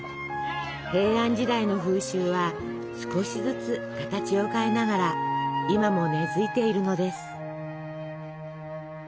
平安時代の風習は少しずつ形を変えながら今も根づいているのです。